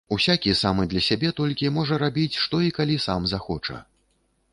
Усякі сам і для сябе толькі можа рабіць што і калі сам захоча.